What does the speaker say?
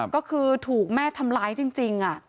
ก็คือถูกแม่ทำร้ายจริง